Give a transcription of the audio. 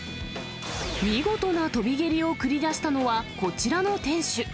見事な跳び蹴りを繰り出したのはこちらの店主。